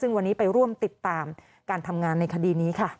ซึ่งวันนี้ไปร่วมติดตามการทำงานในคดีนี้ค่ะ